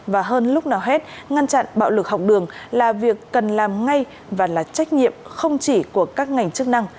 và hơn lúc nào hết ngăn chặn bạo lực học đường là việc cần làm ngay và là trách nhiệm không chỉ của các ngành chức năng